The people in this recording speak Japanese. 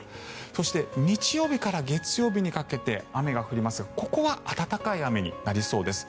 そして日曜日から月曜日にかけて雨が降りますがここは暖かい雨になりそうです。